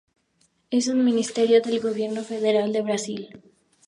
Es un ministerio del Gobierno federal de Brasil.